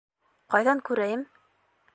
Ҡайҙан күрәйем?